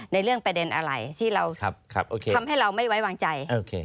ในเรื่องประเด็นอะไรที่เราทำให้เราไม่ไว้วางใจ